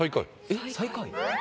「最下位」。